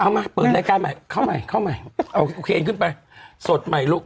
มาเปิดรายการใหม่เข้าใหม่เข้าใหม่โอเคเคนขึ้นไปสดใหม่ลูก